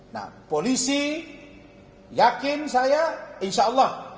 nah polisi yakin saya insya allah